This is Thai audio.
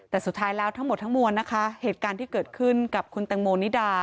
แต่สุดท้ายแล้วทั้งหมดทั้งมวลนะคะเหตุการณ์ที่เกิดขึ้นกับคุณแตงโมนิดา